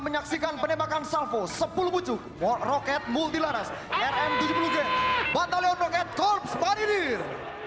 menyaksikan penembakan salvo sepuluh pucuk roket multilaras rm tujuh puluh g batalion roket korps marinir